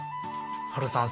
ハルさん